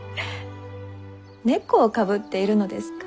猫をかぶっているのですか？